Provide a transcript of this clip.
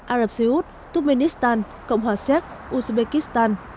ả rập xê út turkmenistan cộng hòa xếc uzbekistan